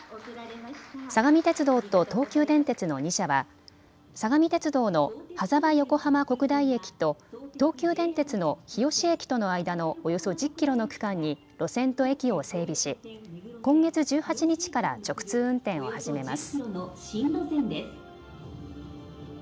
相模鉄道と東急電鉄の２社は相模鉄道の羽沢横浜国大駅と東急電鉄の日吉駅との間のおよそ１０キロの区間に路線と駅を整備し今月１８日から直通運転を始めます。